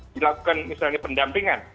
dilakukan misalnya pendampingan